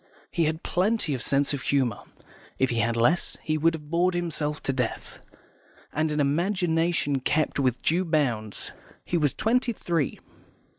He had plenty of sense of humour (if he had had less, he would have bored himself to death), and an imagination kept within due bounds. He was twenty three.